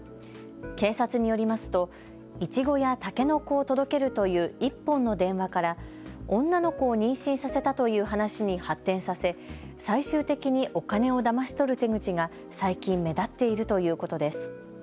警察によりますとイチゴやタケノコを届けるという１本の電話から女の子を妊娠させたという話に発展させ最終的にお金をだまし取る手口が最近、目立っているということです。